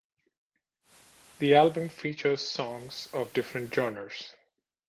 The album features songs of different genres.